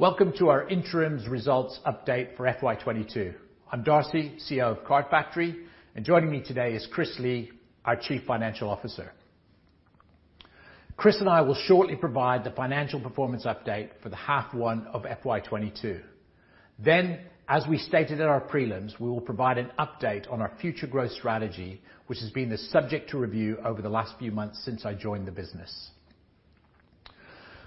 Welcome to our interims results update for FY 2022. I'm Darcy, CEO of Card Factory, and joining me today is Kris Lee, our Chief Financial Officer. Kris and I will shortly provide the financial performance update for the half one of FY 2022. As we stated in our prelims, we will provide an update on our future growth strategy, which has been the subject to review over the last few months since I joined the business.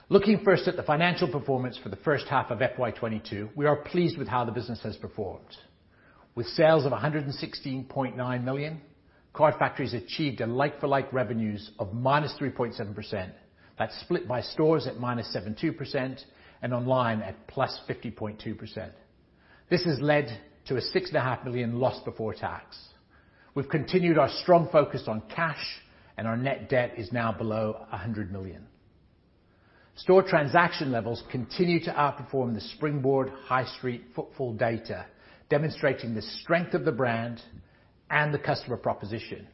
Looking first at the financial performance for the first half of FY 2022, we are pleased with how the business has performed. With sales of 116.9 million, Card Factory's achieved a like-for-like revenues of -3.7%. That's split by stores at -72% and online at +50.2%. This has led to a 6.5 million loss before tax. We've continued our strong focus on cash, and our net debt is now below 100 million. Store transaction levels continue to outperform the Springboard high street footfall data, demonstrating the strength of the brand and the customer proposition.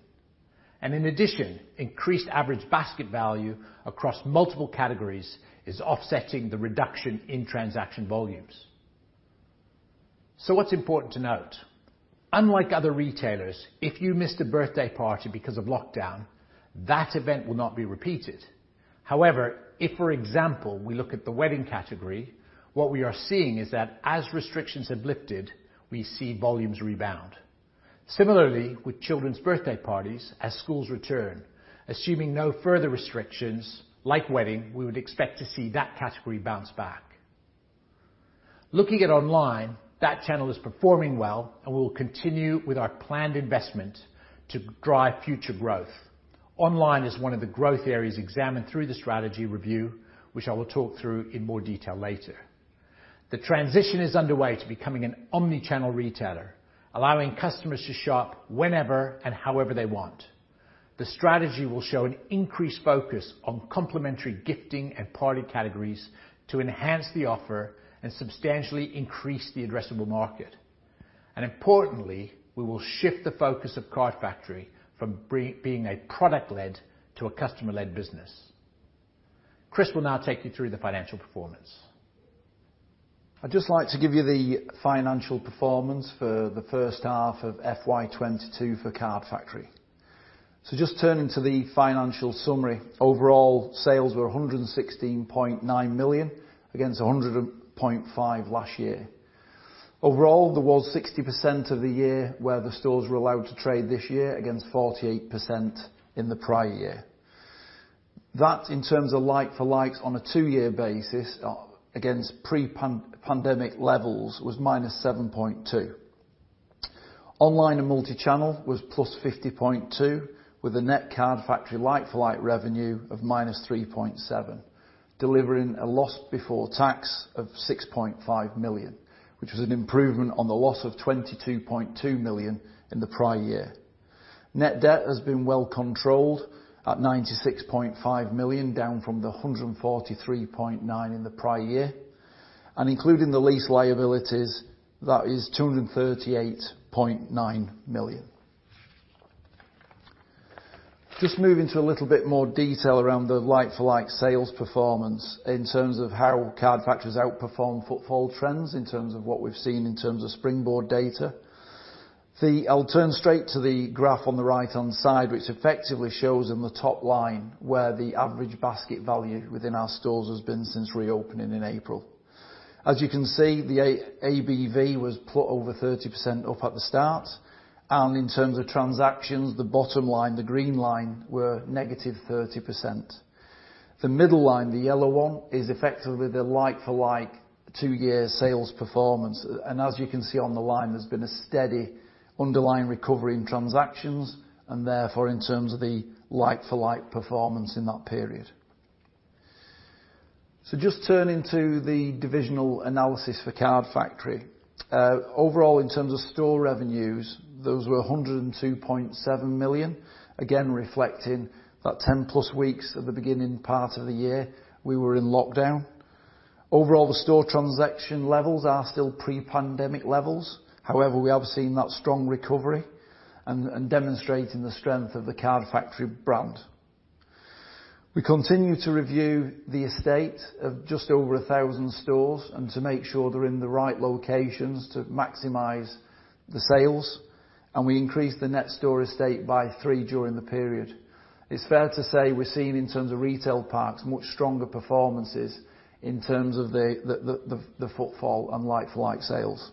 In addition, increased average basket value across multiple categories is offsetting the reduction in transaction volumes. What's important to note? Unlike other retailers, if you missed a birthday party because of lockdown, that event will not be repeated. However, if, for example, we look at the wedding category, what we are seeing is that as restrictions have lifted, we see volumes rebound. Similarly, with children's birthday parties, as schools return, assuming no further restrictions, like wedding, we would expect to see that category bounce back. Looking at online, that channel is performing well and will continue with our planned investment to drive future growth. Online is one of the growth areas examined through the strategy review, which I will talk through in more detail later. The transition is underway to becoming an omni-channel retailer, allowing customers to shop whenever and however they want. The strategy will show an an increased focus on complementary gifting and party categories to enhance the offer and substantially increase the addressable market. Importantly, we will shift the focus of Card Factory from being a product-led to a customer-led business. Kris will now take you through the financial performance. I'd just like to give you the financial performance for the first half of FY 2022 for Card Factory. Just turning to the financial summary, overall sales were 116.9 million against 100.5 million last year. Overall, there was 60% of the year where the stores were allowed to trade this year against 48% in the prior year. That, in terms of like-for-likes on a two-year basis against pre-pandemic levels, was -7.2%. Online and multi-channel was +50.2% with a net Card Factory like-for-like revenue of -3.7%, delivering a loss before tax of 6.5 million, which was an improvement on the loss of 22.2 million in the prior year. Net debt has been well controlled at 96.5 million, down from the 143.9 million in the prior year. Including the lease liabilities, that is 238.9 million. Just moving to a little bit more detail around the like-for-like sales performance in terms of how Card Factory has outperformed footfall trends in terms of what we've seen in terms of Springboard data. I'll turn straight to the graph on the right-hand side, which effectively shows in the top line where the average basket value within our stores has been since reopening in April. As you can see, the ABV was put over 30% up at the start, and in terms of transactions, the bottom line, the green line, were -30%. The middle line, the yellow one, is effectively the like-for-like two-year sales performance. As you can see on the line, there's been a steady underlying recovery in transactions, and therefore in terms of the like-for-like performance in that period. Just turning to the divisional analysis for Card Factory. Overall, in terms of store revenues, those were 102.7 million. Again, reflecting that 10+ weeks at the beginning part of the year, we were in lockdown. Overall, the store transaction levels are still pre-pandemic levels. However, we have seen that strong recovery and demonstrating the strength of the Card Factory brand. We continue to review the estate of just over 1,000 stores and to make sure they're in the right locations to maximize the sales, and we increased the net store estate by 3 during the period. It's fair to say we're seeing, in terms of retail parks, much stronger performances in terms of the footfall and like-for-like sales.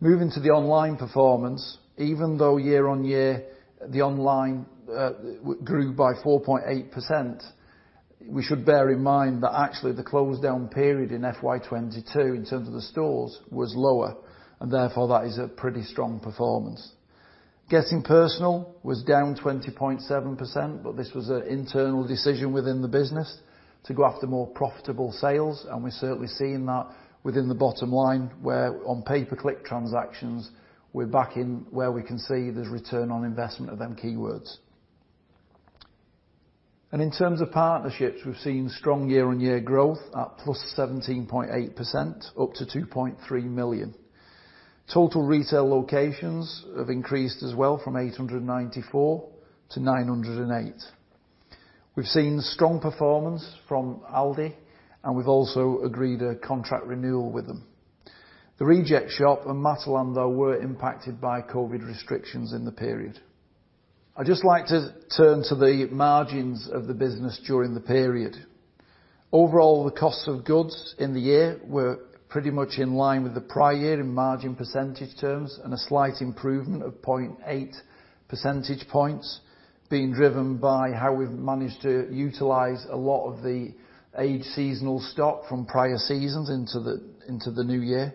Moving to the online performance, even though year-on-year the online grew by 4.8%, we should bear in mind that actually the close down period in FY 2022 in terms of the stores was lower. Therefore, that is a pretty strong performance. Getting Personal was down 20.7%. This was an internal decision within the business to go after more profitable sales. We're certainly seeing that within the bottom line where on pay-per-click transactions, we're back in where we can see there's return on investment of them keywords. In terms of partnerships, we've seen strong year-on-year growth at +17.8% up to 2.3 million. Total retail locations have increased as well from 894-908. We've seen strong performance from Aldi. We've also agreed a contract renewal with them. The Reject Shop and Matalan, though, were impacted by COVID restrictions in the period. I'd just like to turn to the margins of the business during the period. Overall, the cost of goods in the year were pretty much in line with the prior year in margin percentage terms, a slight improvement of 0.8 percentage points being driven by how we've managed to utilize a lot of the age seasonal stock from prior seasons into the new year.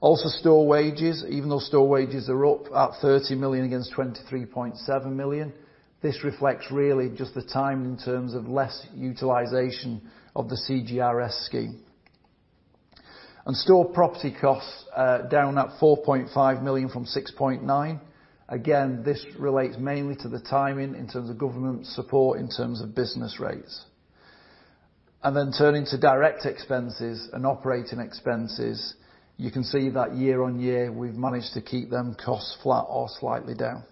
Also store wages, even though store wages are up at 30 million against 23.7 million, this reflects really just the timing in terms of less utilization of the CJRS scheme. Store property costs are down at 4.5 million from 6.9 million. Again, this relates mainly to the timing in terms of government support in terms of business rates. Turning to direct expenses and operating expenses, you can see that year-on-year we've managed to keep them costs flat or slightly down.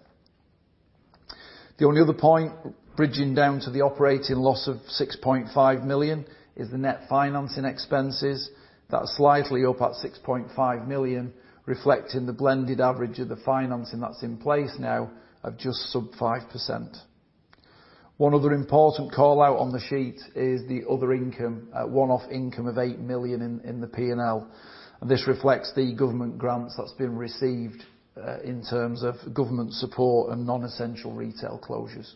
The only other point bridging down to the operating loss of 6.5 million is the net financing expenses. That's slightly up at 6.5 million, reflecting the blended average of the financing that's in place now of just sub 5%. One other important call-out on the sheet is the other income, a one-off income of 8 million in the P&L. This reflects the government grants that's been received, in terms of government support and non-essential retail closures.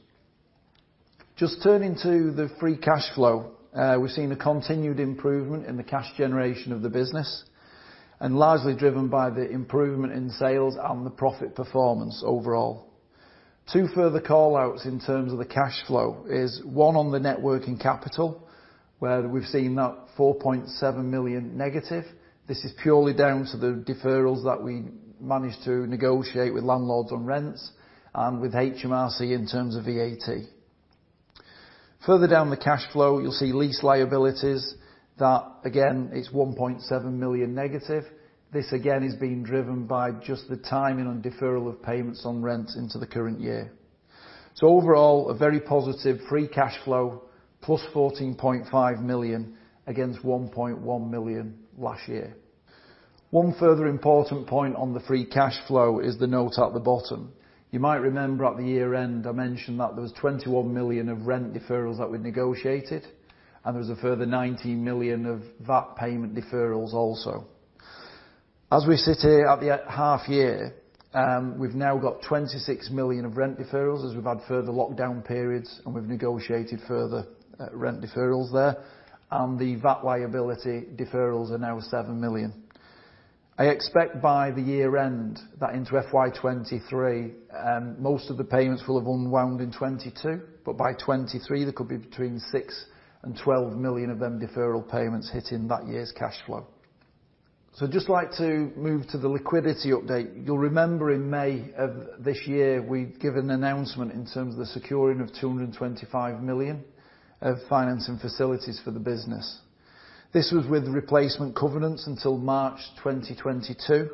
Just turning to the free cash flow. We've seen a continued improvement in the cash generation of the business, and largely driven by the improvement in sales and the profit performance overall. Two further call-outs in terms of the cash flow is, one on the net working capital, where we've seen that -4.7 million. This is purely down to the deferrals that we managed to negotiate with landlords on rents and with HMRC in terms of VAT. Further down the cash flow, you'll see lease liabilities, that again is -1.7 million. This again is being driven by just the timing on deferral of payments on rents into the current year. Overall, a very positive free cash flow, +14.5 million against 1.1 million last year. One further important point on the free cash flow is the note at the bottom. You might remember at the year-end, I mentioned that there was 21 million of rent deferrals that we'd negotiated, and there was a further 19 million of VAT payment deferrals also. We sit here at the half year, we've now got 26 million of rent deferrals as we've had further lockdown periods, and we've negotiated further rent deferrals there. The VAT liability deferrals are now 7 million. I expect by the year-end that into FY 2023, most of the payments will have unwound in 2022, but by 2023 there could be between 6 million and 12 million of them deferral payments hitting that year's cash flow. I'd just like to move to the liquidity update. You'll remember in May of this year, we'd given an announcement in terms of the securing of 225 million of financing facilities for the business. This was with replacement covenants until March 2022.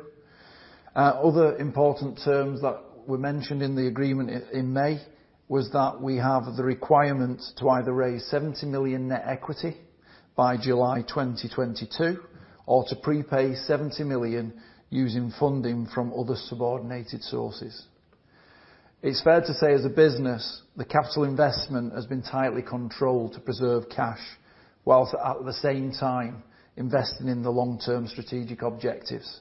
Other important terms that were mentioned in the agreement in May was that we have the requirement to either raise 70 million net equity by July 2022, or to prepay 70 million using funding from other subordinated sources. It's fair to say as a business, the capital investment has been tightly controlled to preserve cash, while at the same time investing in the long-term strategic objectives.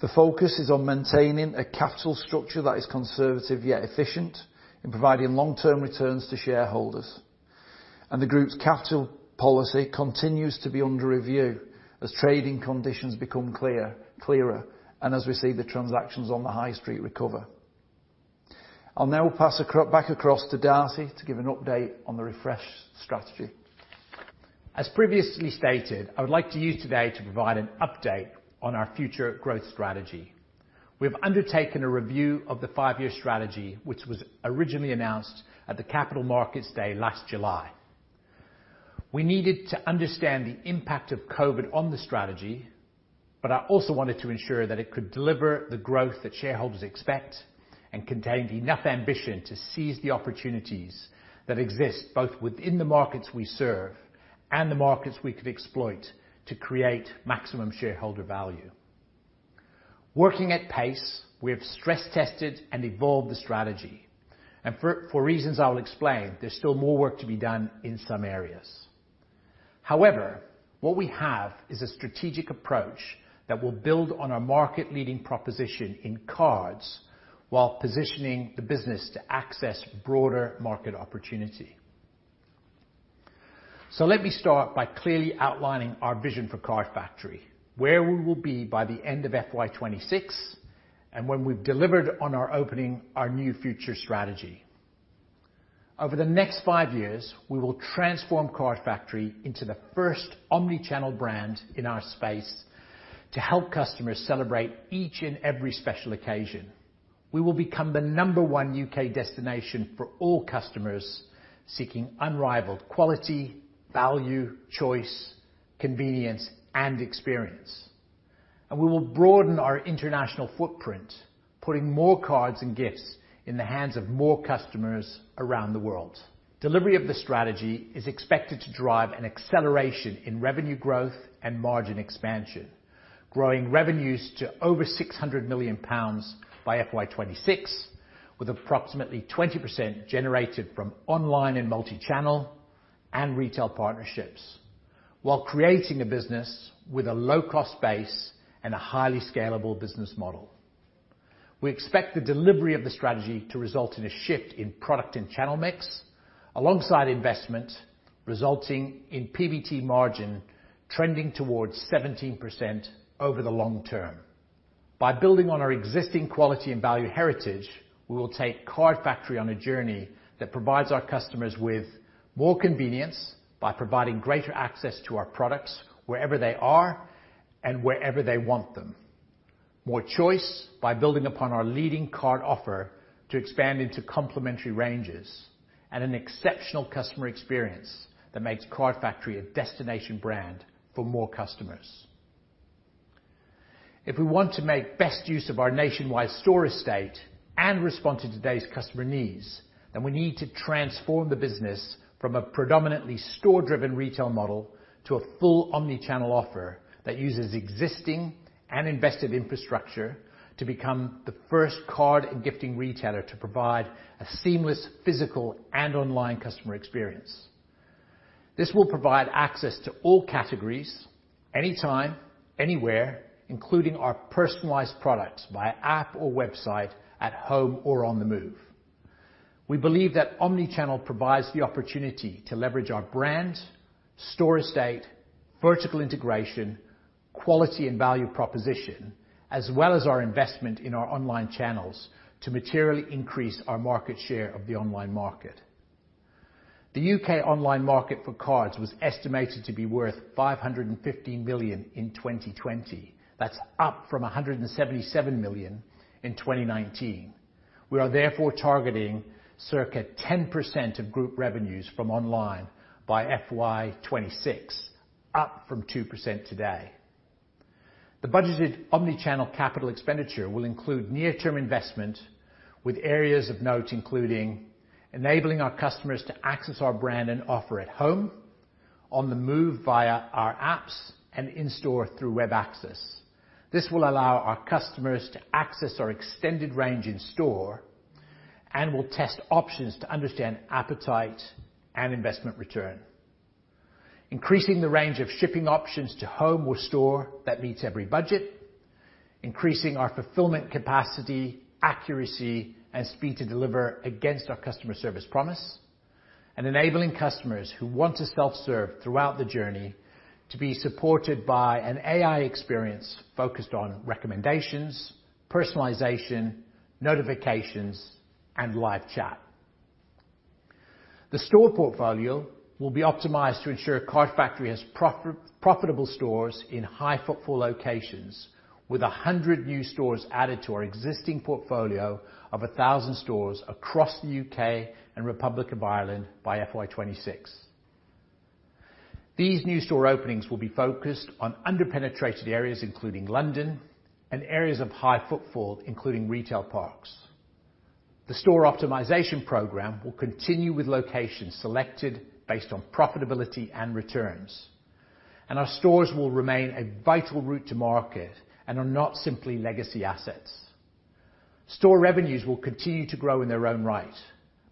The focus is on maintaining a capital structure that is conservative yet efficient in providing long-term returns to shareholders. The group's capital policy continues to be under review as trading conditions become clearer, and as we see the transactions on the high street recover. I will now pass back across to Darcy to give an update on the refresh strategy. As previously stated, I would like to use today to provide an update on our future growth strategy. We have undertaken a review of the five-year strategy, which was originally announced at the Capital Markets Day last July. We needed to understand the impact of COVID on the strategy, but I also wanted to ensure that it could deliver the growth that shareholders expect and contained enough ambition to seize the opportunities that exist, both within the markets we serve and the markets we could exploit to create maximum shareholder value. Working at pace, we have stress tested and evolved the strategy, and for reasons I'll explain, there's still more work to be done in some areas. However, what we have is a strategic approach that will build on our market leading proposition in cards while positioning the business to access broader market opportunity. Let me start by clearly outlining our vision for Card Factory, where we will be by the end of FY 2026, and when we've delivered on our Opening Our New Future strategy. Over the next five years, we will transform Card Factory into the first omni-channel brand in our space to help customers celebrate each and every special occasion. We will become the number one U.K. destination for all customers seeking unrivaled quality, value, choice, convenience, and experience. We will broaden our international footprint, putting more cards and gifts in the hands of more customers around the world. Delivery of the strategy is expected to drive an acceleration in revenue growth and margin expansion, growing revenues to over 600 million pounds by FY 2026, with approximately 20% generated from online and omni-channel and retail partnerships, while creating a business with a low cost base and a highly scalable business model. We expect the delivery of the strategy to result in a shift in product and channel mix, alongside investment resulting in PBT margin trending towards 17% over the long-term. By building on our existing quality and value heritage, we will take Card Factory on a journey that provides our customers with more convenience by providing greater access to our products wherever they are and wherever they want them. More choice by building upon our leading card offer to expand into complementary ranges, and an exceptional customer experience that makes Card Factory a destination brand for more customers. If we want to make best use of our nationwide store estate and respond to today's customer needs, then we need to transform the business from a predominantly store-driven retail model to a full omni-channel offer that uses existing and invested infrastructure to become the first card and gifting retailer to provide a seamless physical and online customer experience. This will provide access to all categories anytime, anywhere, including our personalized products by app or website, at home or on the move. We believe that omni-channel provides the opportunity to leverage our brand, store estate, vertical integration, quality and value proposition, as well as our investment in our online channels to materially increase our market share of the online market. The U.K. online market for cards was estimated to be worth 550 million in 2020. That's up from 177 million in 2019. We are therefore targeting circa 10% of group revenues from online by FY 2026, up from 2% today. The budgeted omni-channel capital expenditure will include near-term investment with areas of note, including enabling our customers to access our brand and offer at home, on the move via our apps, and in store through web access. This will allow our customers to access our extended range in store and will test options to understand appetite and investment return. Increasing the range of shipping options to home or store that meets every budget. Increasing our fulfillment capacity, accuracy, and speed to deliver against our customer service promise. Enabling customers who want to self-serve throughout the journey to be supported by an AI experience focused on recommendations, personalization, notifications, and live chat. The store portfolio will be optimized to ensure Card Factory has profitable stores in high footfall locations with 100 new stores added to our existing portfolio of 1,000 stores across the U.K. and Republic of Ireland by FY 2026. These new store openings will be focused on under-penetrated areas, including London, and areas of high footfall, including retail parks. The store optimization program will continue with locations selected based on profitability and returns. Our stores will remain a vital route to market and are not simply legacy assets. Store revenues will continue to grow in their own right,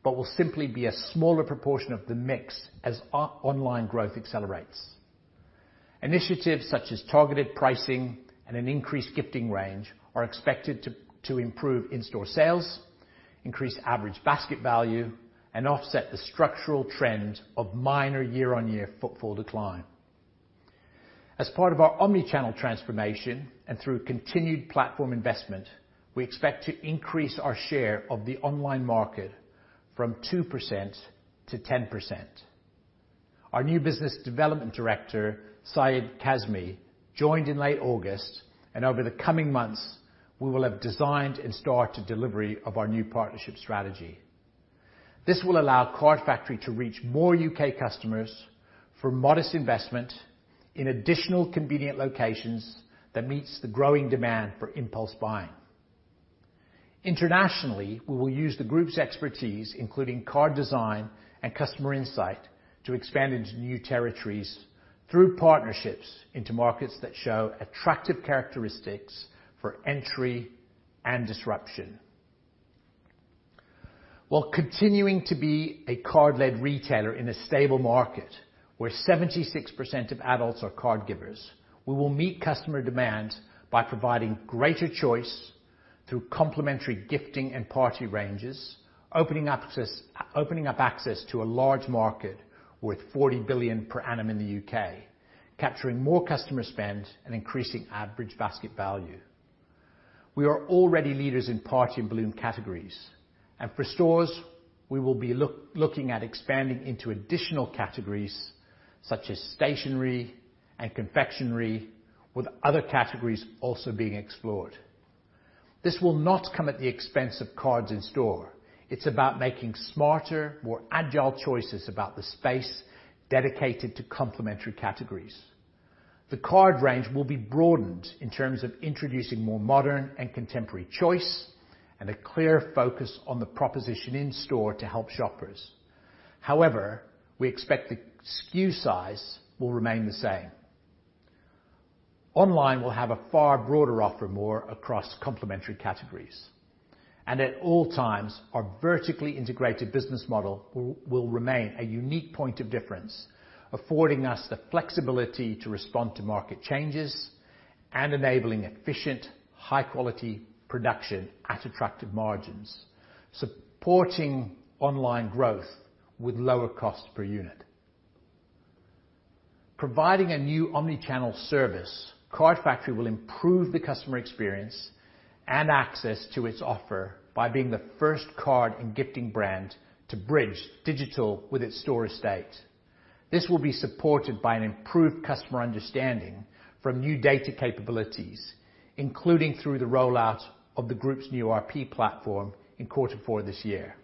but will simply be a smaller proportion of the mix as our online growth accelerates. Initiatives such as targeted pricing and an increased gifting range are expected to improve in-store sales, increase average basket value, and offset the structural trend of minor year-on-year footfall decline. As part of our omni-channel transformation and through continued platform investment, we expect to increase our share of the online market from 2%-10%. Our new Business Development Director, Syed Kazmi, joined in late August, and over the coming months, we will have designed and started delivery of our new partnership strategy. This will allow Card Factory to reach more U.K. customers for modest investment in additional convenient locations that meets the growing demand for impulse buying. Internationally, we will use the group's expertise, including card design and customer insight, to expand into new territories through partnerships into markets that show attractive characteristics for entry and disruption. While continuing to be a card-led retailer in a stable market where 76% of adults are card givers, we will meet customer demand by providing greater choice through complementary gifting and party ranges, opening up access to a large market worth 40 billion per annum in the U.K., capturing more customer spend and increasing average basket value. We are already leaders in party and balloon categories, and for stores, we will be looking at expanding into additional categories such as stationery and confectionery. With other categories also being explored. This will not come at the expense of cards in store. It's about making smarter, more agile choices about the space dedicated to complementary categories. The card range will be broadened in terms of introducing more modern and contemporary choice, and a clearer focus on the proposition in-store to help shoppers. However, we expect the SKU size will remain the same. Online, we'll have a far broader offer more across complementary categories. At all times, our vertically integrated business model will remain a unique point of difference, affording us the flexibility to respond to market changes and enabling efficient, high quality production at attractive margins, supporting online growth with lower cost per unit. Providing a new omni-channel service, Card Factory will improve the customer experience and access to its offer by being the first card and gifting brand to bridge digital with its store estate. This will be supported by an improved customer understanding from new data capabilities, including through the rollout of the group's new ERP platform in quarter four this year.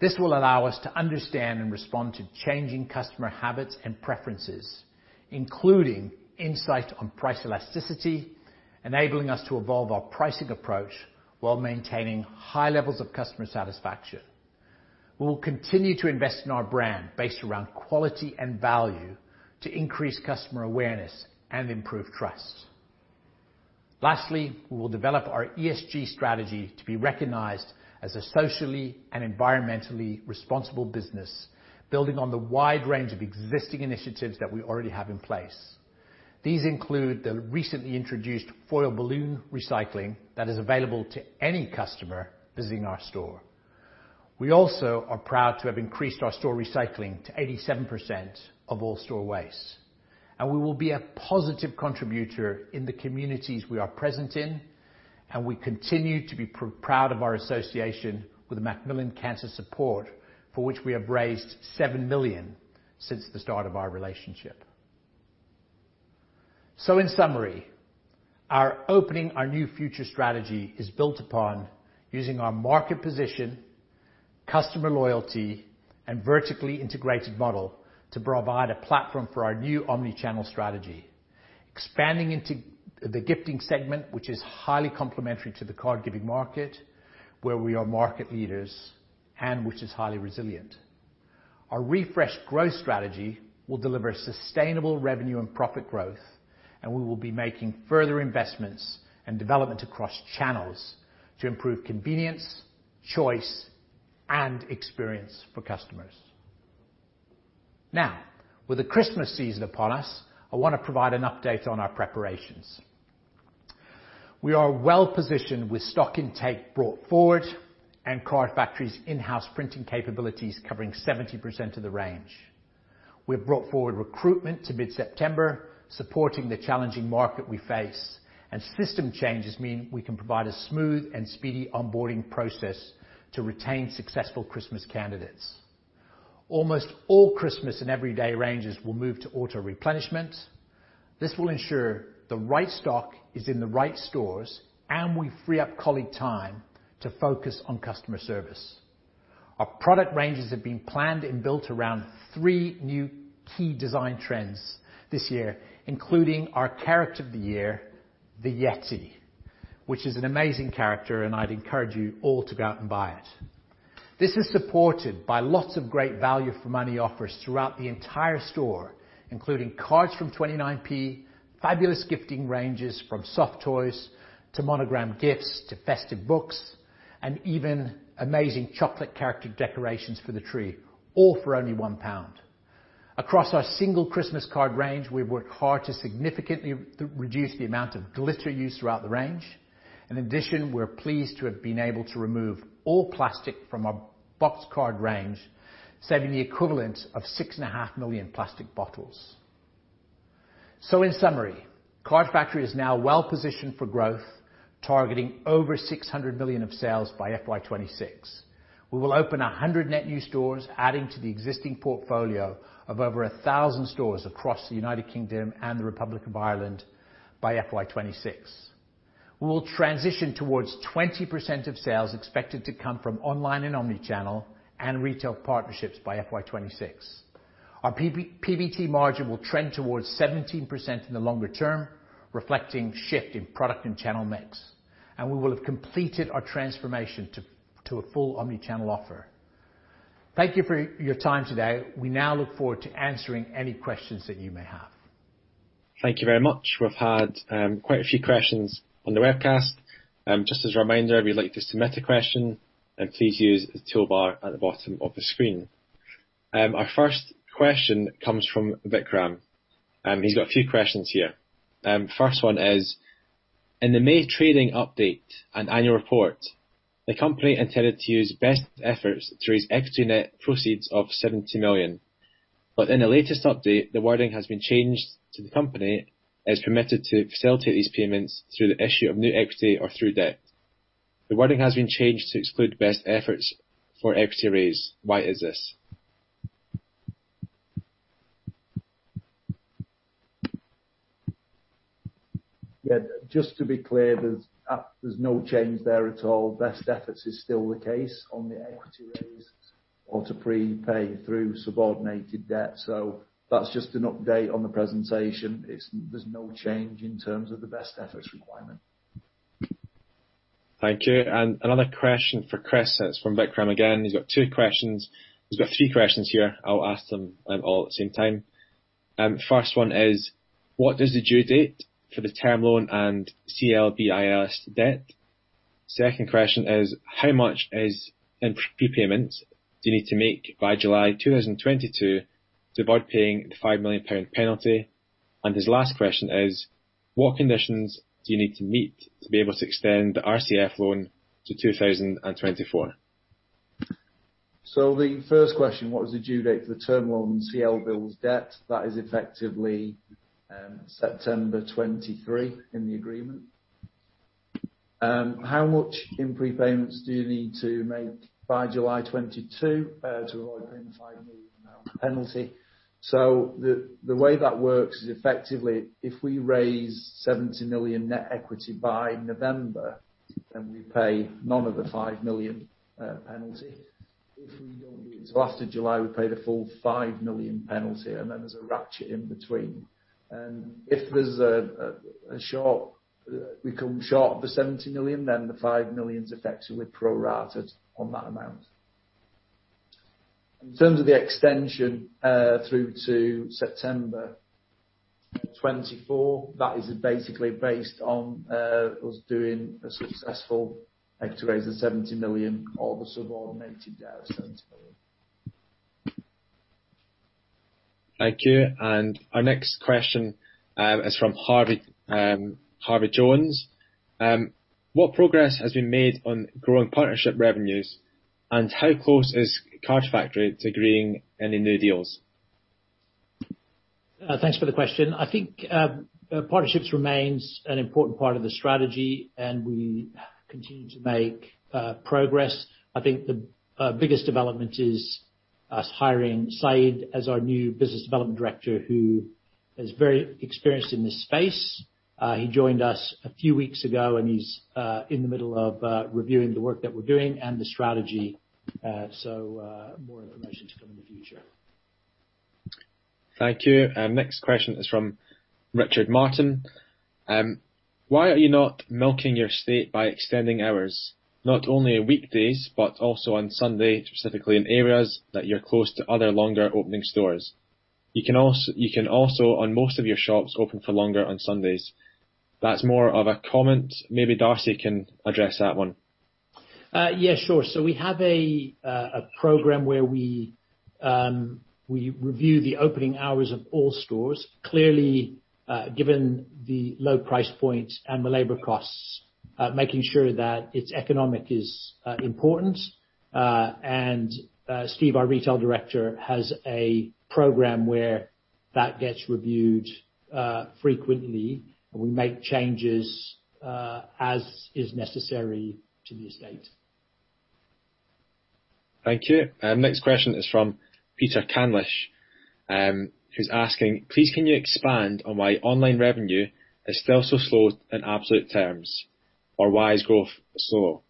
This will allow us to understand and respond to changing customer habits and preferences, including insight on price elasticity, enabling us to evolve our pricing approach while maintaining high levels of customer satisfaction. We will continue to invest in our brand based around quality and value to increase customer awareness and improve trust. Lastly, we will develop our ESG strategy to be recognized as a socially and environmentally responsible business, building on the wide range of existing initiatives that we already have in place. These include the recently introduced foil balloon recycling that is available to any customer visiting our store. We also are proud to have increased our store recycling to 87% of all store waste, and we will be a positive contributor in the communities we are present in, and we continue to be proud of our association with Macmillan Cancer Support, for which we have raised 7 million since the start of our relationship. In summary, our Opening Our New Future strategy is built upon using our market position, customer loyalty, and vertically integrated model to provide a platform for our new omni-channel strategy. Expanding into the gifting segment, which is highly complementary to the card-giving market, where we are market leaders and which is highly resilient. Our refreshed growth strategy will deliver sustainable revenue and profit growth, and we will be making further investments and development across channels to improve convenience, choice, and experience for customers. Now, with the Christmas season upon us, I want to provide an update on our preparations. We are well-positioned with stock intake brought forward and Card Factory's in-house printing capabilities covering 70% of the range. We have brought forward recruitment to mid-September, supporting the challenging market we face, and system changes mean we can provide a smooth and speedy onboarding process to retain successful Christmas candidates. Almost all Christmas and everyday ranges will move to auto-replenishment. This will ensure the right stock is in the right stores, and will free up colleague time to focus on customer service. Our product ranges have been planned and built around three new key design trends this year, including our character of the year, the Yeti, which is an amazing character, and I'd encourage you all to go out and buy it. This is supported by lots of great value for money offers throughout the entire store, including cards from 0.29, fabulous gifting ranges from soft toys to monogrammed gifts to festive books, and even amazing chocolate character decorations for the tree, all for only 1 pound. Across our single Christmas card range, we've worked hard to significantly reduce the amount of glitter used throughout the range. In addition, we're pleased to have been able to remove all plastic from our boxed card range, saving the equivalent of 6.5 million plastic bottles. In summary, Card Factory is now well positioned for growth, targeting over 600 million of sales by FY 2026. We will open 100 net new stores, adding to the existing portfolio of over 1,000 stores across the U.K. and the Republic of Ireland by FY 2026. We will transition towards 20% of sales expected to come from online and omni-channel and retail partnerships by FY 2026. Our PBT margin will trend towards 17% in the longer-term, reflecting shift in product and channel mix, and we will have completed our transformation to a full omni-channel offer. Thank you for your time today. We now look forward to answering any questions that you may have. Thank you very much. We've had quite a few questions on the webcast. Just as a reminder, if you'd like to submit a question, then please use the toolbar at the bottom of the screen. Our first question comes from Vikram. He's got a few questions here. First one is, in the May trading update and Annual Report, the company intended to use best efforts to raise equity net proceeds of 70 million. In the latest update, the wording has been changed to the company is permitted to facilitate these payments through the issue of new equity or through debt. The wording has been changed to exclude best efforts for equity raise. Why is this? Yeah. Just to be clear, there's no change there at all. Best efforts is still the case on the equity raise or to prepay through subordinated debt. That's just an update on the presentation. There's no change in terms of the best efforts requirement. Thank you. Another question for Kris. It's from Vikram again. He's got two questions. He's got three questions here. I'll ask them all at the same time. First one is, what is the due date for the term loan and CLBILS debt? Second question is, how much is in prepayment do you need to make by July 2022 to avoid paying the 5 million pound penalty? His last question is, what conditions do you need to meet to be able to extend the RCF loan to 2024? The first question, what was the due date for the term loan CLBILS debt, that is effectively September 2023 in the agreement. How much in prepayments do you need to make by July 2022 to avoid paying GBP 5 million amount penalty? The way that works is effectively, if we raise 70 million net equity by November, then we pay none of the 5 million penalty. If we don't do it after July, we pay the full 5 million penalty, and then there's a ratchet in between. If we come short of the 70 million, then the 5 million is effectively prorated on that amount. In terms of the extension through to September 2024, that is basically based on us doing a successful equity raise of 70 million or the subordinated debt of 70 million. Thank you. Our next question is from Harvey Jones. What progress has been made on growing partnership revenues, and how close is Card Factory to agreeing any new deals? Thanks for the question. I think partnerships remains an important part of the strategy, and we continue to make progress. I think the biggest development is us hiring Syed as our new Business Development Director, who is very experienced in this space. He joined us a few weeks ago, and he's in the middle of reviewing the work that we're doing and the strategy. So more information to come in the future. Thank you. Next question is from Richard Martin. Why are you not milking your estate by extending hours, not only on weekdays but also on Sunday, specifically in areas that you're close to other longer opening stores? You can also, on most of your shops, open for longer on Sundays. That's more of a comment. Maybe Darcy can address that one. Yeah, sure. We have a program where we review the opening hours of all stores. Clearly, given the low price point and the labor costs, making sure that it's economic is important. Steve, our retail director, has a program where that gets reviewed frequently, and we make changes as is necessary to the estate. Thank you. Next question is from Peter Canlish, who is asking, please can you expand on why online revenue is still so slow in absolute terms? Why is growth slow?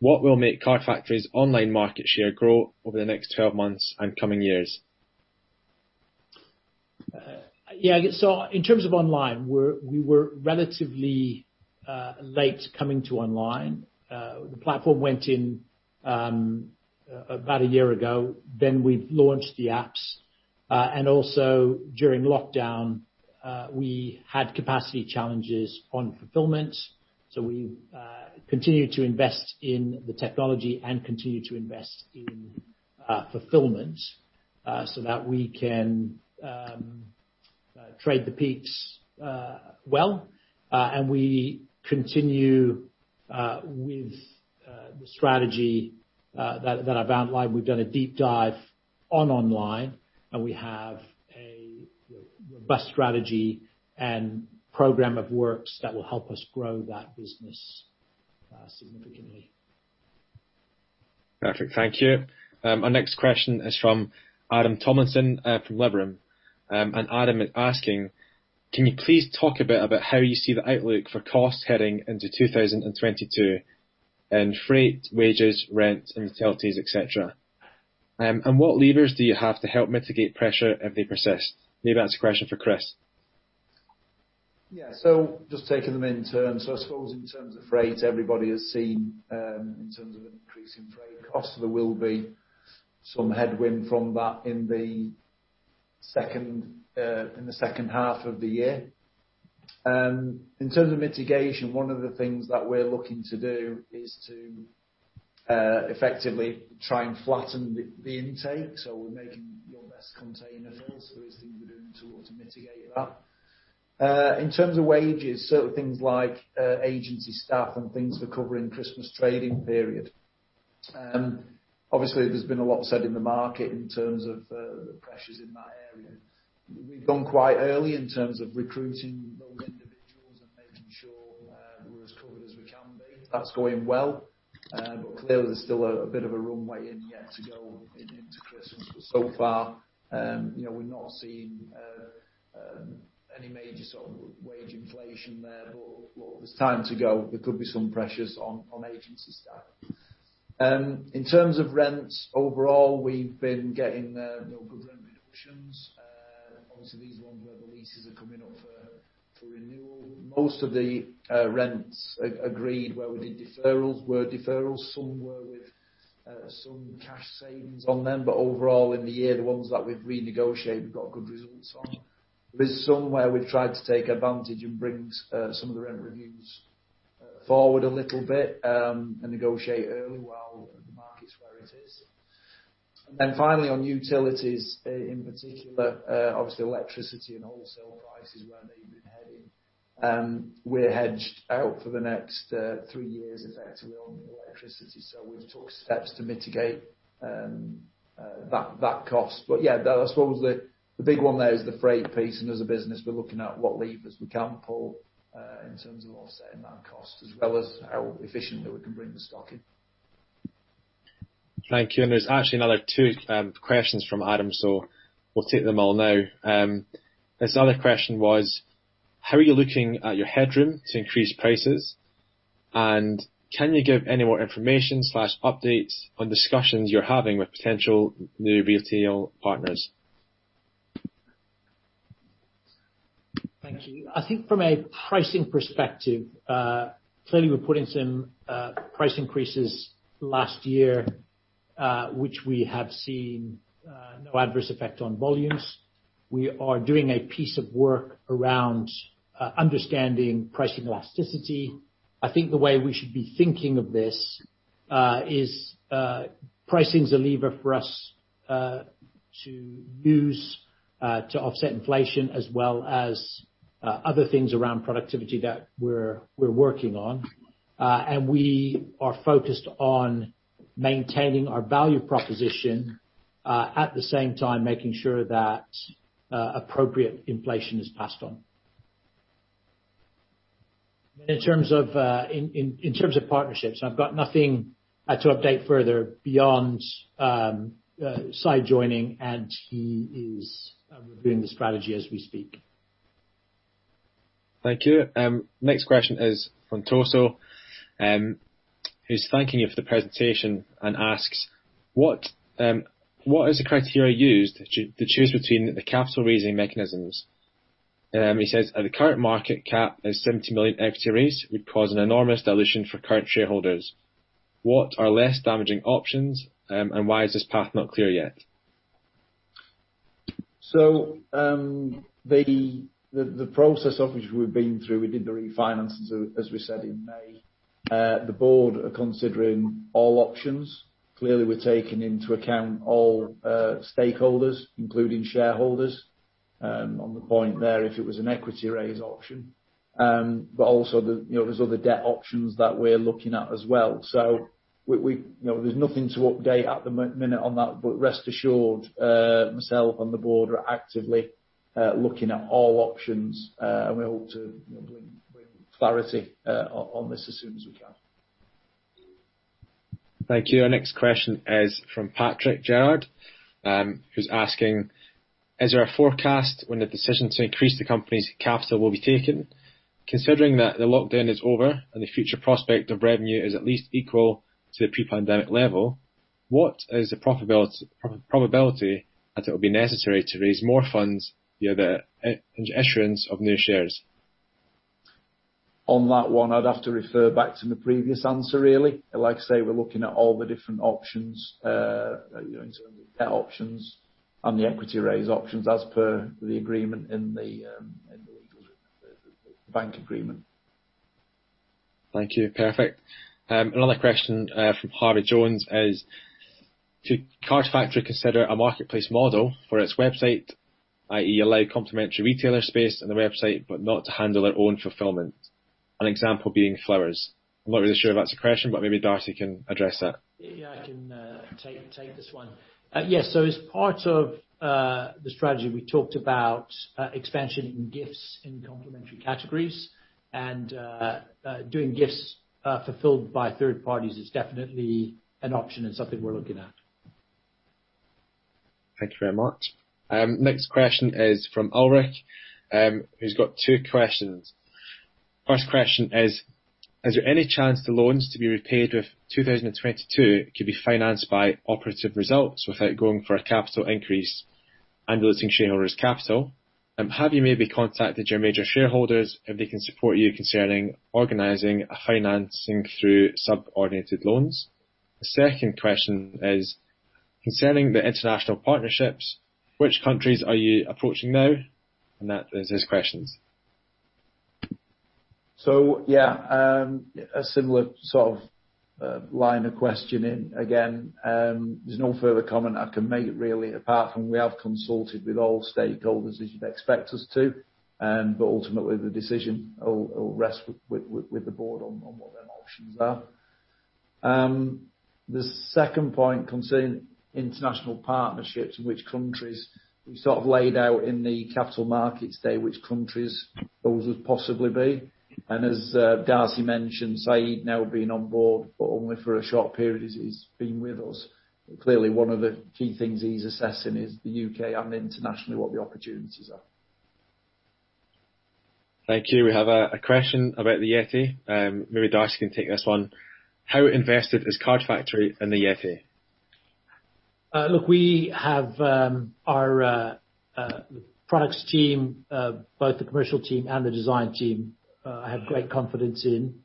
What will make Card Factory's online market share grow over the next 12 months and coming years? Yeah. In terms of online, we were relatively late coming to online. The platform went in about a year ago, then we launched the apps. Also during lockdown, we had capacity challenges on fulfillment. We continue to invest in the technology and continue to invest in fulfillment so that we can trade the peaks well. We continue with the strategy that I've outlined. We've done a deep dive on online, and we have a robust strategy and program of works that will help us grow that business significantly. Perfect. Thank you. Our next question is from Adam Tomlinson from Liberum. Adam is asking, can you please talk a bit about how you see the outlook for costs heading into 2022 in freight, wages, rent, utilities, et cetera. What levers do you have to help mitigate pressure if they persist? Maybe that's a question for Kris. Just taking them in turn. I suppose in terms of freight, everybody has seen in terms of an increase in freight costs. There will be some headwind from that in the second half of the year. In terms of mitigation, one of the things that we're looking to do is to effectively try and flatten the intake, so we're making your best container fills. There is things we're doing to automate and mitigate that. In terms of wages, certain things like agency staff and things for covering Christmas trading period. Obviously, there's been a lot said in the market in terms of the pressures in that area. We've gone quite early in terms of recruiting. That's going well. Clearly, there's still a bit of a runway in yet to go into Christmas. So far, we've not seen any major sort of wage inflation there, but there's time to go. There could be some pressures on agency staff. In terms of rents, overall, we've been getting good rent reductions. Obviously, these are ones where the leases are coming up for renewal. Most of the rents agreed were with deferrals. Some were with some cash savings on them. Overall, in the year, the ones that we've renegotiated, we've got good results on. There's some where we've tried to take advantage and bring some of the rent reviews forward a little bit, and negotiate early while the market's where it is. Finally, on utilities, in particular, obviously electricity and wholesale prices, where they've been heading. We're hedged out for the next three years effectively on the electricity, so we've took steps to mitigate that cost. Yeah, I suppose the big one there is the freight piece, and as a business, we're looking at what levers we can pull, in terms of offsetting that cost, as well as how efficiently we can bring the stock in. Thank you. There's actually another two questions from Adam, so we'll take them all now. His other question was, How are you looking at your headroom to increase prices? And can you give any more information/updates on discussions you're having with potential new retail partners? Thank you. I think from a pricing perspective, clearly we put in some price increases last year, which we have seen no adverse effect on volumes. We are doing a piece of work around understanding pricing elasticity. I think the way we should be thinking of this is pricing is a lever for us to use to offset inflation, as well as other things around productivity that we're working on. We are focused on maintaining our value proposition, at the same time, making sure that appropriate inflation is passed on. In terms of partnerships, I've got nothing to update further beyond Syed joining, and he is reviewing the strategy as we speak. Thank you. Next question is from Toso, who is thanking you for the presentation and asks, What is the criteria used to choose between the capital raising mechanisms? He says, At the current market cap, a 70 million equity raise would cause an enormous dilution for current shareholders. What are less damaging options, and why is this path not clear yet? The process of which we've been through, we did the refinances, as we said, in May. The board are considering all options. Clearly, we're taking into account all stakeholders, including shareholders, on the point there, if it was an equity raise option. Also, there's other debt options that we're looking at as well. There's nothing to update at the minute on that. Rest assured, myself and the board are actively looking at all options, and we hope to bring clarity on this as soon as we can. Thank you. Our next question is from Patrick Gerrard, who is asking, Is there a forecast when the decision to increase the company's capital will be taken? Considering that the lockdown is over and the future prospect of revenue is at least equal to the pre-pandemic level, what is the probability that it will be necessary to raise more funds via the issuance of new shares? On that one, I'd have to refer back to my previous answer, really. Like I say, we're looking at all the different options, in terms of debt options and the equity raise options, as per the agreement in the legal bank agreement. Thank you. Perfect. Another question from Harvey Jones is, Should Card Factory consider a marketplace model for its website, i.e., allow complementary retailer space on the website, but not to handle their own fulfillment? An example being flowers. I'm not really sure if that's a question, but maybe Darcy can address that. Yeah, I can take this one. As part of the strategy, we talked about expansion in gifts in complementary categories and doing gifts fulfilled by third parties is definitely an option and something we are looking at. Thank you very much. Next question is from Ulrich, who has got two questions. First question is, "Is there any chance the loans to be repaid with 2022 could be financed by operative results without going for a capital increase and diluting shareholders' capital? Have you maybe contacted your major shareholders if they can support you concerning organizing a financing through subordinated loans?" The second question is, Concerning the international partnerships, which countries are you approaching now? That is his questions. Yeah, a similar line of questioning again. There's no further comment I can make really, apart from we have consulted with all stakeholders as you'd expect us to. Ultimately, the decision will rest with the board on what their options are. The second point concerning international partnerships, in which countries we sort of laid out in the Capital Markets Day, which countries those would possibly be. As Darcy mentioned, Syed now being on board, but only for a short period has he's been with us. Clearly one of the key things he's assessing is the U.K. and internationally, what the opportunities are. Thank you. We have a question about the Yeti. Maybe Darcy can take this one. How invested is Card Factory in the Yeti? We have our products team, both the commercial team and the design team, I have great confidence in.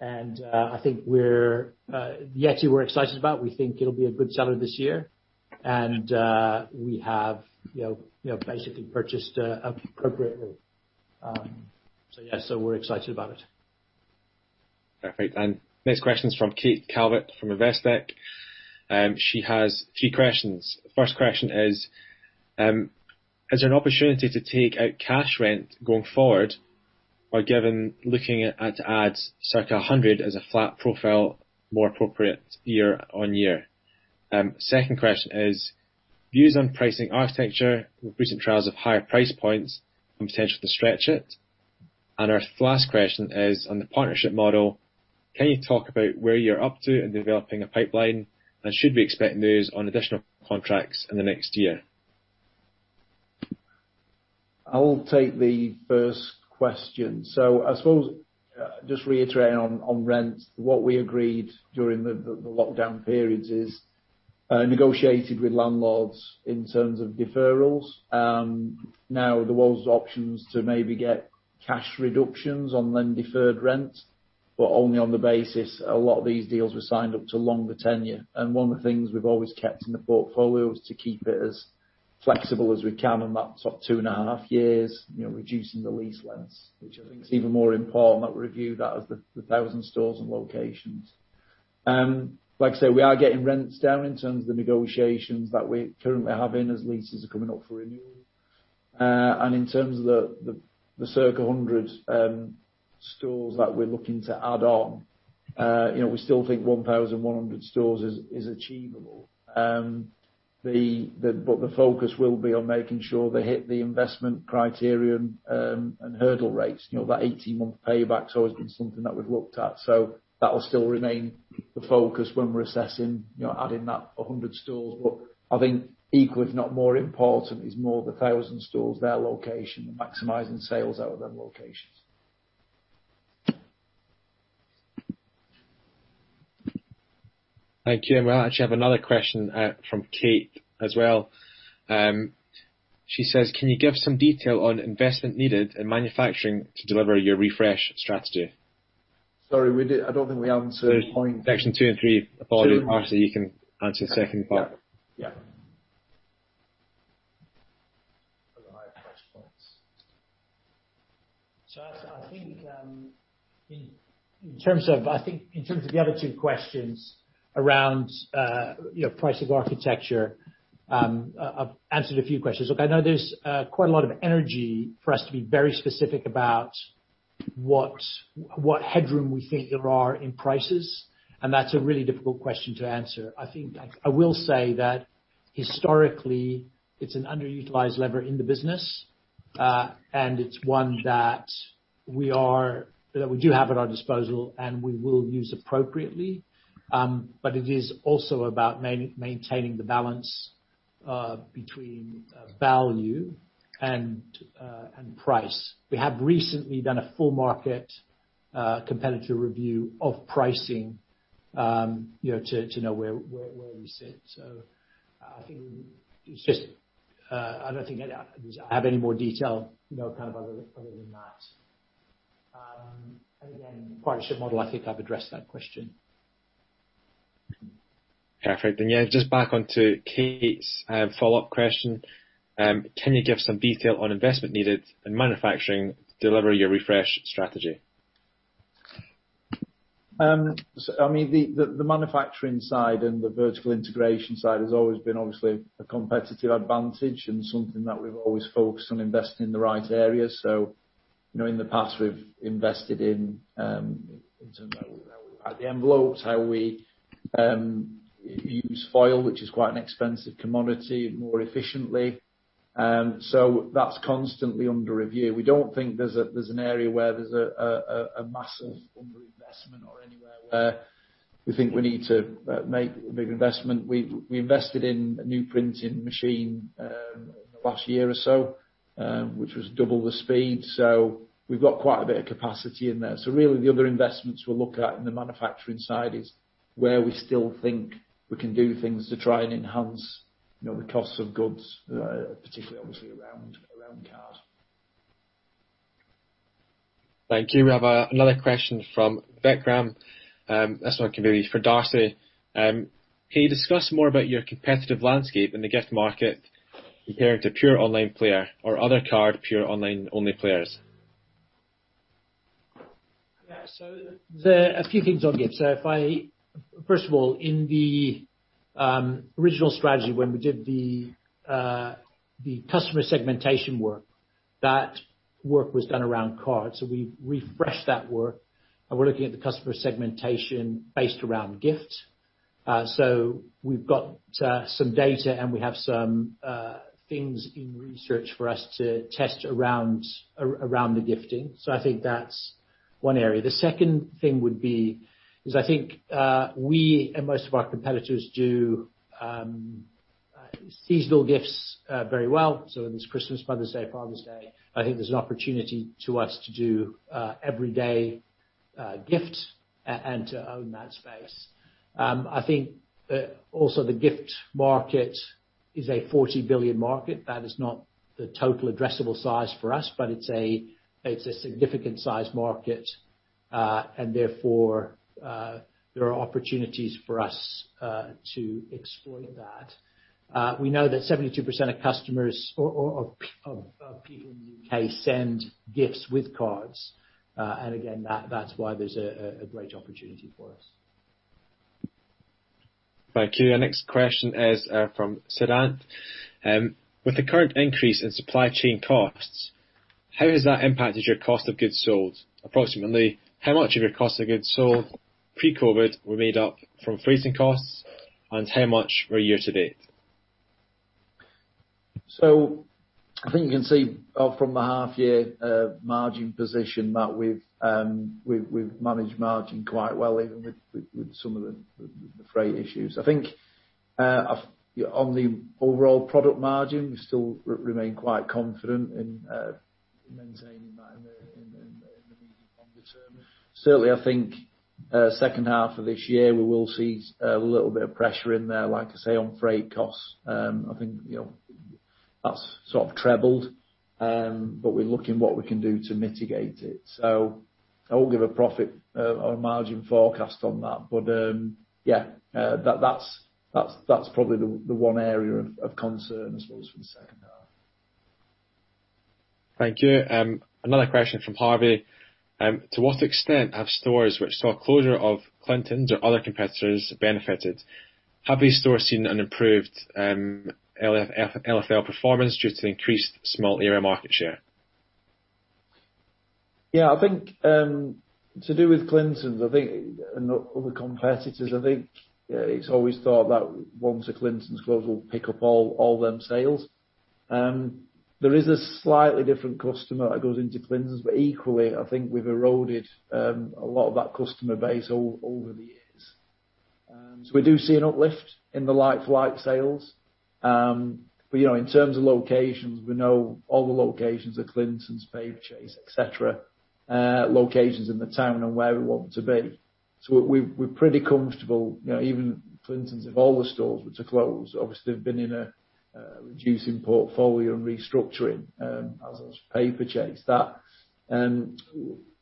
I think the Yeti we're excited about, we think it'll be a good seller this year, and we have basically purchased appropriately. Yeah, we're excited about it. Next question's from Kate Calvert from Investec. She has three questions. First question is there an opportunity to take out cash rent going forward or given looking at to add circa 100 as a flat profile more appropriate year on year? Second question is, views on pricing architecture with recent trials of higher price points and potential to stretch it? Our last question is on the partnership model, can you talk about where you're up to in developing a pipeline, and should we expect news on additional contracts in the next year? I'll take the first question. I suppose, just reiterating on rent, what we agreed during the lockdown periods is, negotiated with landlords in terms of deferrals. Now there was options to maybe get cash reductions on them deferred rent, but only on the basis a lot of these deals were signed up to longer tenure. One of the things we've always kept in the portfolio is to keep it as flexible as we can on that top two and a half years, reducing the lease lengths, which I think is even more important that we review that as the 1,000 stores and locations. Like I say, we are getting rents down in terms of the negotiations that we're currently having as leases are coming up for renewal. In terms of the circa 100 stores that we're looking to add on, we still think 1,100 stores is achievable. The focus will be on making sure they hit the investment criterion, and hurdle rates. That 18-month payback's always been something that we've looked at, so that will still remain the focus when we're assessing adding that 100 stores. I think equal, if not more important, is more the 1,000 stores, their location, maximizing sales out of them locations. Thank you. We actually have another question from Kate as well. She says, can you give some detail on investment needed in manufacturing to deliver your refresh strategy? Sorry, I don't think we answered the point. Section two and three. Darcy, you can answer the second part. Yeah. The higher price points. I think in terms of the other two questions around pricing architecture, I've answered a few questions. Look, I know there's quite a lot of energy for us to be very specific about what headroom we think there are in prices, and that's a really difficult question to answer. I will say that historically, it's an underutilized lever in the business, and it's one that we do have at our disposal, and we will use appropriately. It is also about maintaining the balance between value and price. We have recently done a full market competitor review of pricing to know where we sit. I don't think I have any more detail other than that. Again, partnership model, I think I've addressed that question. Perfect. Yeah, just back onto Kate's follow-up question, can you give some detail on investment needed in manufacturing to deliver your refresh strategy? The manufacturing side and the vertical integration side has always been obviously a competitive advantage and something that we've always focused on investing in the right areas. In the past we've invested in terms of the envelopes, how we use foil, which is quite an expensive commodity, more efficiently. That's constantly under review. We don't think there's an area where there's a massive underinvestment or anywhere where we think we need to make a big investment. We invested in a new printing machine in the last year or so, which was double the speed. We've got quite a bit of capacity in there. Really the other investments we'll look at in the manufacturing side is where we still think we can do things to try and enhance the cost of goods, particularly obviously around card. Thank you. We have another question from Vikram. This one can be for Darcy. Can you discuss more about your competitive landscape in the gift market compared to pure online player or other card pure online only players? Yeah. There are a few things I'll give. First of all, in the original strategy when we did the customer segmentation work, that work was done around cards. We refreshed that work, and we're looking at the customer segmentation based around gift. We've got some data, and we have some things in research for us to test around the gifting. I think that's one area. The second thing is, I think, we and most of our competitors do seasonal gifts very well, so this Christmas, Mother's Day, Father's Day. I think there's an opportunity to us to do everyday gift and to own that space. I think also the gift market is a 40 billion market. That is not the total addressable size for us, but it's a significant size market, and therefore, there are opportunities for us to exploit that. We know that 72% of customers or of people in the U.K. send gifts with cards. Again, that's why there's a great opportunity for us. Thank you. Our next question is from Siddhant. With the current increase in supply chain costs, how has that impacted your cost of goods sold? Approximately how much of your cost of goods sold pre-COVID were made up from freighting costs, and how much were year-to-date? I think you can see from the half-year margin position that we've managed margin quite well, even with some of the freight issues. I think on the overall product margin, we still remain quite confident in maintaining that in the medium longer-term. Certainly, I think second half of this year we will see a little bit of pressure in there, like I say, on freight costs. I think that's sort of trebled, but we're looking what we can do to mitigate it. I won't give a profit or a margin forecast on that. Yeah, that's probably the 1 area of concern, I suppose, for the second half. Thank you. Another question from Harvey. To what extent have stores which saw closure of Clintons or other competitors benefited? Have these stores seen an improved LFL performance due to increased small area market share? Yeah, I think to do with Clintons, I think, and other competitors, I think it's always thought that once a Clintons close, we'll pick up all of them sales. There is a slightly different customer that goes into Clintons, equally, I think we've eroded a lot of that customer base over the years. We do see an uplift in the like-for-like sales. In terms of locations, we know all the locations of Clintons, Paperchase, et cetera, locations in the town and where we want to be. We're pretty comfortable, even Clintons, if all the stores were to close, obviously, they've been in a reducing portfolio and restructuring as has Paperchase.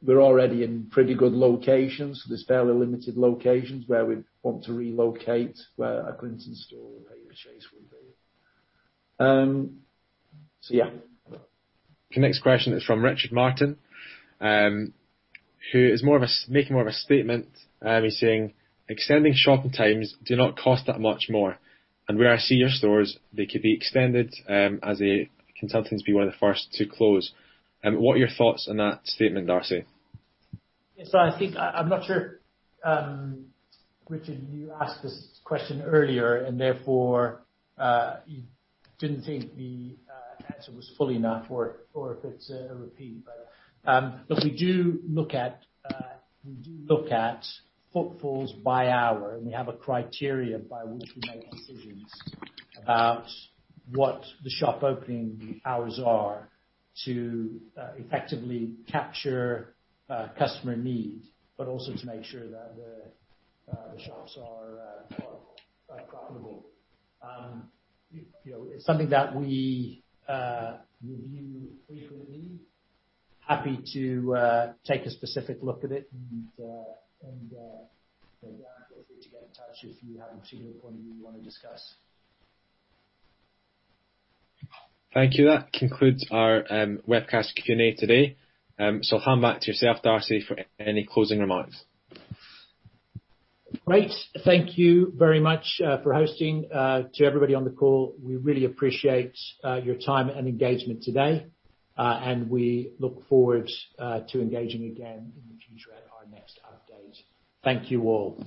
We're already in pretty good locations. There's fairly limited locations where we'd want to relocate where a Clintons store or Paperchase would be. Yeah. The next question is from Richard Martin, who is making more of a statement. He's saying extending shopping times do not cost that much more, and where I see your stores, they could be extended as they can sometimes be one of the first to close. What are your thoughts on that statement, Darcy? Yes. I think I'm not sure, Richard, you asked this question earlier and therefore, you didn't think the answer was full enough, or if it's a repeat. We do look at footfalls by hour, and we have a criteria by which we make decisions about what the shop opening hours are to effectively capture customer need, but also to make sure that the shops are profitable. It's something that we review frequently. Happy to take a specific look at it, and feel free to get in touch if you have a particular point you want to discuss. Thank you. That concludes our webcast Q&A today. I'll hand back to yourself, Darcy, for any closing remarks. Great. Thank you very much for hosting. To everybody on the call, we really appreciate your time and engagement today, and we look forward to engaging again in the future at our next update. Thank you all.